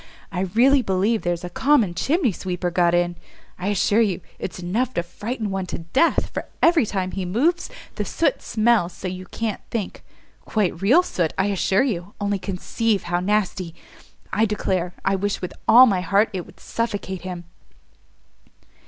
I really believe there's a common chimney sweeper got in! I assure you it's enough to frighten one to death, for every time he moves the soot smells so you can't think; quite real soot, I assure you! only conceive how nasty! I declare I wish with all my heart it would suffocate him!"